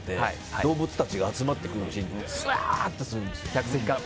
動物たちが集まってくるシーンザワッとするんですよ。